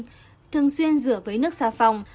thứ hai thường xuyên rửa với nước xa phòng